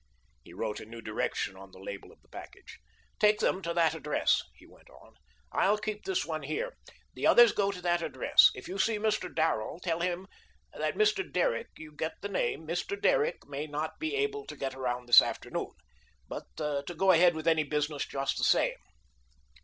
He wrote a new direction on the label of the package: "Take them to that address," he went on. "I'll keep this one here. The others go to that address. If you see Mr. Darrell, tell him that Mr. Derrick you get the name Mr. Derrick may not be able to get around this afternoon, but to go ahead with any business just the same."